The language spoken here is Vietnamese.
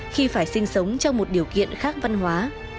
khi phải sinh sống trong một điều kiện khác văn hóa